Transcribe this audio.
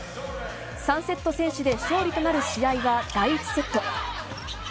３セット先取で勝利となる試合は、第１セット。